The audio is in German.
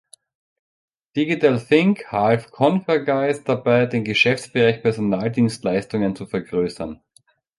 DigitalThink half Convergys dabei, den Geschäftsbereich Personaldienstleistungen zu vergrößern.